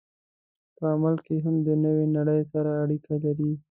په عمل کې هم د نوې نړۍ سره اړخ لري.